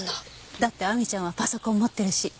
だって亜美ちゃんはパソコン持ってるし。